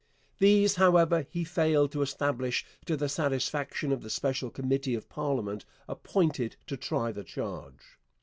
These, however, he failed to establish to the satisfaction of the special committee of parliament appointed to try the charge.